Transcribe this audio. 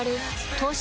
東芝